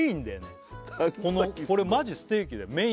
これマジステーキだよ